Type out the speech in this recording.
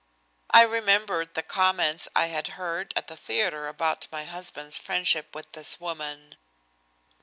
I remembered the comments I had heard at the theatre about my husband's friendship with this woman.